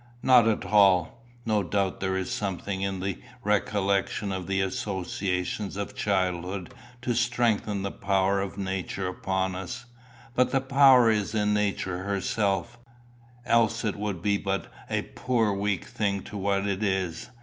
"Not at all. No doubt there is something in the recollection of the associations of childhood to strengthen the power of nature upon us; but the power is in nature herself, else it would be but a poor weak thing to what it is.